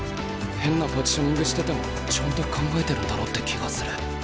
変なポジショニングしててもちゃんと考えてるんだろうって気がする。